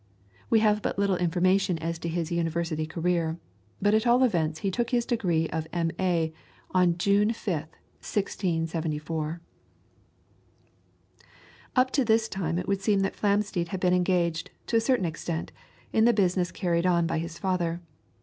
We have but little information as to his University career, but at all events he took his degree of M.A. on June 5th, 1674. Up to this time it would seem that Flamsteed had been engaged, to a certain extent, in the business carried on by his father.